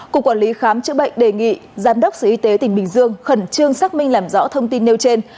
cục quản lý khám chữa bệnh đề nghị giám đốc sở y tế tỉnh bình dương khẩn trương xác minh làm rõ thông tin nêu trên